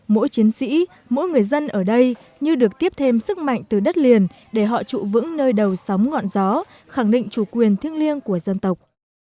mỗi chiến sĩ mỗi người dân ở đây như được tiếp thêm sức mạnh từ đất liền để họ trụ vững nơi đầu sóng ngọn gió khẳng định chủ quyền thiêng liêng của dân tộc